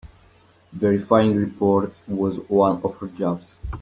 Verifying reports was one of her jobs.